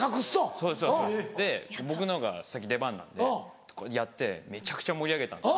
そうですそうですで僕のほうが先出番なんでやってめちゃくちゃ盛り上げたんです。